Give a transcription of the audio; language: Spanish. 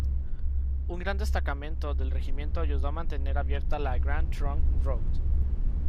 Un gran destacamento del regimiento ayudó a mantener abierta la Grand Trunk Road.